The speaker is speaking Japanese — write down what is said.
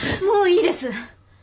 もういいです！